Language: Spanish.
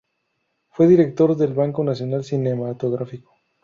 Fue director del Banco Nacional Cinematográfico.